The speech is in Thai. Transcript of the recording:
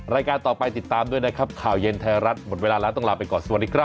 รายการต่อไปติดตามด้วยนะครับข่าวเย็นไทยรัฐหมดเวลาแล้วต้องลาไปก่อนสวัสดีครับ